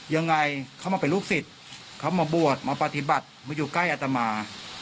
ยังไงเขามาเป็นลูกศิษย์เขามาบวชมาปฏิบัติมาอยู่ใกล้อัตมา